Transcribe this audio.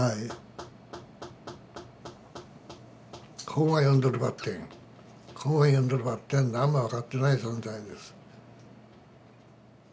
本は読んどるばってん本は読んどるばってん何も分かってない存在です。